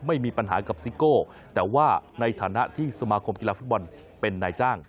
ไม่มีปัญหากับซิโก้แต่ว่าในฐานะที่สมาคมกีฬาฟุตบอลเป็นนายจ้าง